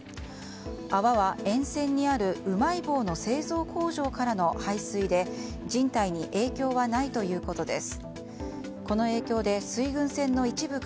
泡は、沿線にあるうまい棒の製造工場からの排水で人体に影響はないということです。